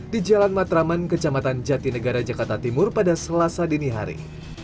di jalan matraman kecamatan jatinegara jakarta timur pada selasa dini hari